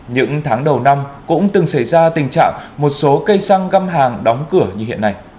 những tháng đầu năm cũng từng xảy ra tình trạng một số cây xăng găm hàng đóng cửa như hiện nay